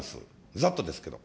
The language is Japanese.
ざっとですけれども。